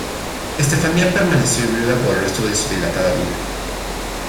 Estefanía permaneció viuda por el resto de su dilatada vida.